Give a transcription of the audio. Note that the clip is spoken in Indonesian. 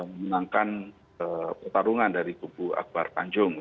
memenangkan pertarungan dari kubu akbar tanjung